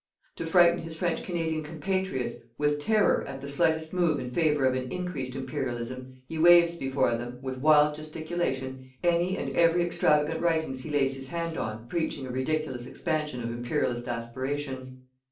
To frighten his French Canadian compatriots with terror at the slightest move in favour of an increased Imperialism, he waves before them, with wild gesticulation, any and every extravagant writings he lays his hand on preaching a ridiculous expansion of Imperialist aspirations.